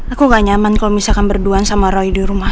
aku gak nyaman kalo misalkan berdua sama ray di rumah